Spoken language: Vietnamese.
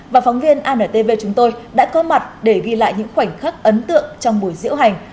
và phóng viên antv chúng tôi đã có mặt để ghi lại những khoảnh khắc ấn tượng trong buổi diễu hành